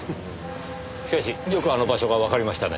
しかしよくあの場所がわかりましたね。